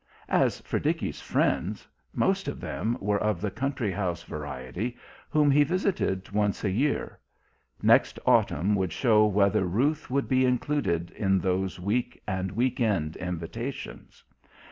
As for Dickie's friends, most of them were of the country house variety whom he visited once a year; next autumn would show whether Ruth would be included in those week and week end invitations.